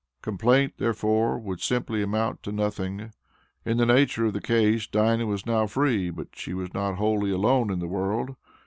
Complaint, therefore, would simply amount to nothing. In the nature of the case Dinah was now free, but she was not wholly alone in the world.